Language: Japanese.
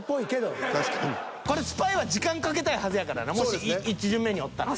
これスパイは時間かけたいはずやからなもし１巡目におったら。